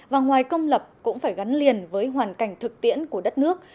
và ngoài công lập cũng phải gắn liền với hoàn cảnh thực tiễn của đất nước